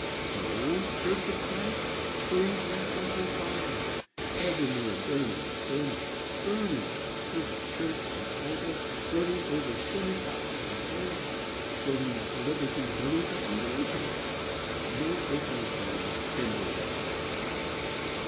So, church of Christ, burns that awful fire! Evermore burning, burning, burning, over church and altar; burning over senate house and forum; burning up liberty, burning up religion! No earthly hands kindled that fire.